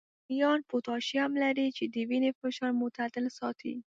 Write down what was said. رومیان پوتاشیم لري، چې د وینې فشار معتدل ساتي